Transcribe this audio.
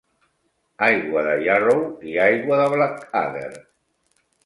Aigua de Yarrow i Aigua de Blackadder.